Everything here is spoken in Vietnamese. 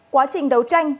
quá trình đấu tranh